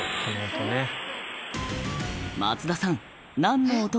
松田さん